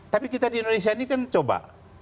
tapi kita di indonesia ini kan coba